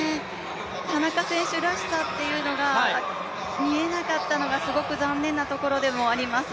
田中選手らしさというのが見えなかったのがすごく残念なところでもあります。